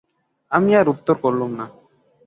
আমি আর উত্তর করলুম না।